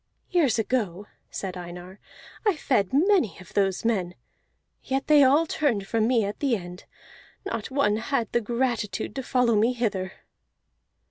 "Years long," said Einar, "I fed many of those men, yet they all turned from me at the end. Not one had the gratitude to follow me hither."